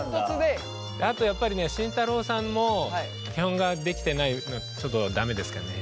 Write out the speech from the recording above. あとやっぱりね慎太郎さんも基本ができてないのでちょっと駄目ですかね。